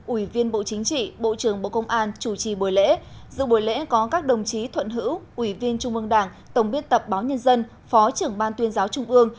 ủy viên bộ chính trị bộ trưởng bộ công an chủ trì buổi lễ dự buổi lễ có các đồng chí thuận hữu ủy viên trung ương đảng tổng biên tập báo nhân dân phó trưởng ban tuyên giáo trung ương